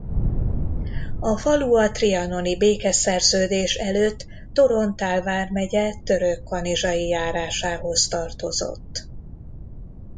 A falu a trianoni békeszerződés előtt Torontál vármegye Törökkanizsai járásához tartozott.